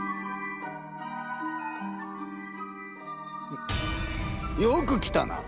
んっよく来たな。